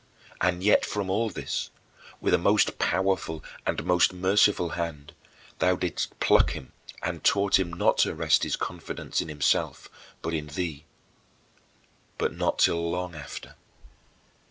And yet from all this, with a most powerful and most merciful hand, thou didst pluck him and taught him not to rest his confidence in himself but in thee but not till long after.